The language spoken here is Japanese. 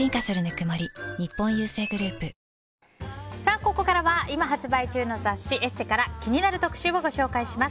ここからは今発売中の雑誌「ＥＳＳＥ」から気になる特集をご紹介します。